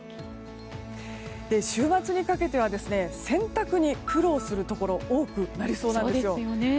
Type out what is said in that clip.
週末にかけては洗濯に苦労するところが多くなりそうなんです。